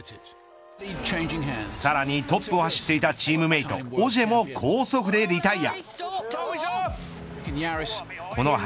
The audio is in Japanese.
さらにトップを走っていたチームメート、オジェもコースオフでリタイヤ。